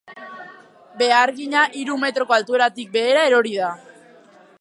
Behargina hiru metroko altueratik behera erori da.